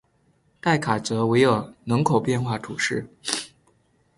代卡泽维尔人口变化图示